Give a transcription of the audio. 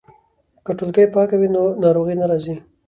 که ټولګې پاکه وي نو ناروغي نه راځي.